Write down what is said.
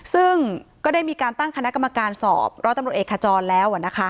ซึ่งก็ได้มีการตั้งคณะกรรมการสอบร้อยตำรวจเอกขจรแล้ว